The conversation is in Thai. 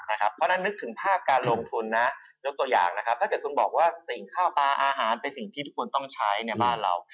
เพราะฉะนั้นนึกถึงภาพการลงทุนนะยกตัวอย่างนะครับถ้าเกิดคุณบอกว่าสิ่งข้าวปลาอาหารเป็นสิ่งที่ทุกคนต้องใช้ในบ้านเรา